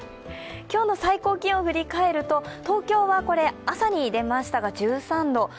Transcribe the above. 今日の最高気温、振り返ると東京は朝に出ましたが、１３度。